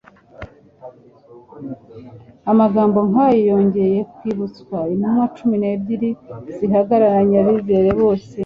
Amagambo nk'ayo yongcye kwibutswa intumwa cumi n'ebyiri zihagaranye abizera bose.